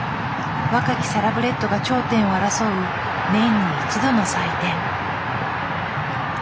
若きサラブレッドが頂点を争う年に一度の祭典。